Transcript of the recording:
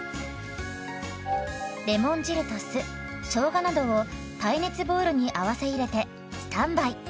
レモン汁と酢しょうがなどを耐熱ボウルに合わせ入れてスタンバイ。